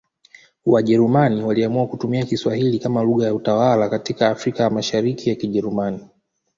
Wajerumani waliamua kutumia Kiswahili kama lugha ya utawala katika Afrika ya Mashariki ya Kijerumani.